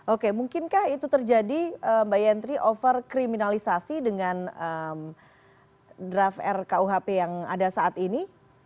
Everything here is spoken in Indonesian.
oke mungkinkah itu terjadi mbak yentri overkriminalisasi dengan draft rkuhp yang ada saat ini